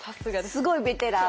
すごいベテラン。